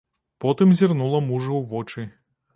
Потым зірнула мужу ў вочы.